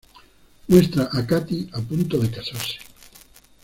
Muestra a Katy a punto de casarse.